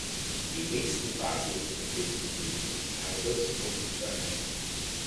Die nächsten Bahnhöfe befinden sich in Tarbes und Tournay.